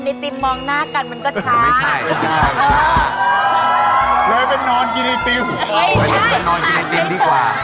นอนกินอิติมดีกว่า